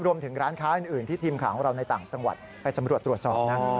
รวมถึงร้านค้าอื่นที่ทีมข่าวของเราในต่างจังหวัดไปสำรวจตรวจสอบนะ